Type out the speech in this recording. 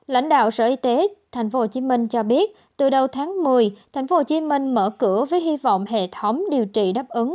lãnh đạo sở y tế tp hcm cho biết từ đầu tháng một mươi tp hcm mở cửa với hy vọng hệ thống điều trị đáp ứng